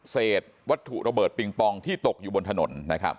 เศษวัตถุระเบิดปิงปองที่ตกอยู่บนถนนนะครับ